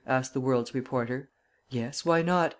'" asked the "World's" reporter. "'Yes; why not?